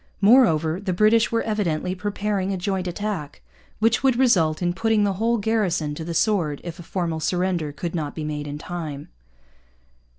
Moreover, the British were evidently preparing a joint attack, which would result in putting the whole garrison to the sword if a formal surrender should not be made in time.